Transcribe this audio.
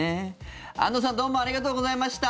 安藤さんどうもありがとうございました。